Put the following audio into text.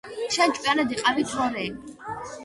შენ ჭკვიანად იყავი თორეე